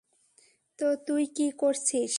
তো তুই কি করছিস?